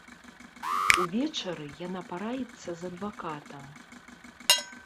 Увечары яна параіцца з адвакатам.